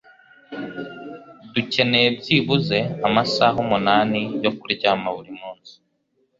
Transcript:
Dukeneye byibuze amasaha umunani yo kuryama buri munsi.